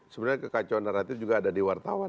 sebenarnya kekacauan naratif juga ada di wartawan